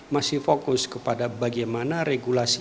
masih fokus kepada bagaimana regulasi